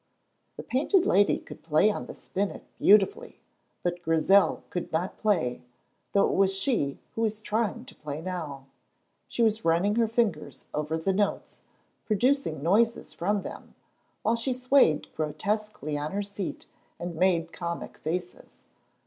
The Painted Lady could play on the spinet beautifully, but Grizel could not play, though it was she who was trying to play now. She was running her fingers over the notes, producing noises from them, while she swayed grotesquely on her seat and made comic faces.